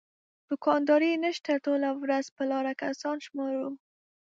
دوکانداري نشته ټوله ورځ په لاره کسان شمارو.